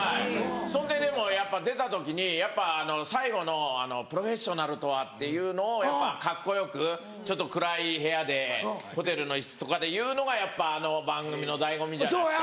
そんででもやっぱ出た時にやっぱ最後の「プロフェッショナルとは」っていうのをやっぱカッコよくちょっと暗い部屋でホテルの一室とかで言うのがやっぱあの番組の醍醐味じゃないですか。